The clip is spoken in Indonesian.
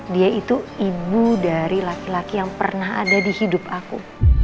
dia itu ibu dari laki laki yang pernah ada di hidup aku